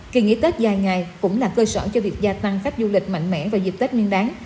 kỳ nghỉ tết dài ngày cũng là cơ sở cho việc gia tăng khách du lịch mạnh mẽ vào dịp tết nguyên đáng